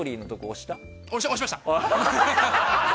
押しました！